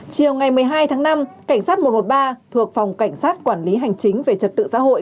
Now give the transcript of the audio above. chiều ngày một mươi hai tháng năm cảnh sát một trăm một mươi ba thuộc phòng cảnh sát quản lý hành chính về trật tự xã hội